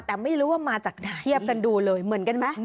แต่ไม่รู้ว่ามาจากไหนเทียบกันดูเลยเหมือนกันไหม